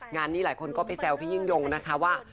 งานนี้หลายคนก็ไปแซวพี่ยิ่งยงนะคะว่า